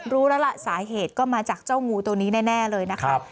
รู้แล้วล่ะสาเหตุก็มาจากเจ้างูตัวนี้แน่เลยนะครับ